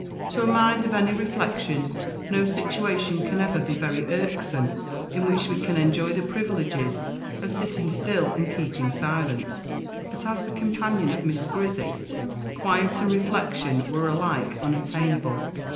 To a mind of any reflection no situation can ever be very irksome in which we can enjoy the privileges of sitting still and keeping silent but as the companion of Miss Grizzy, quiet and reflection were alike unattainable.